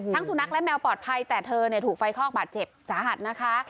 สุนัขและแมวปลอดภัยแต่เธอถูกไฟคอกบาดเจ็บสาหัสนะคะ